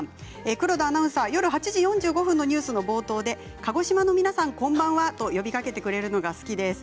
黒田アナウンサー夜８時４５分のニュースの冒頭で鹿児島の皆さんこんばんはと呼びかけてくれるのが好きです。